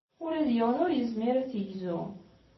Ula d yiwen ur yezmir ad t-yegzu.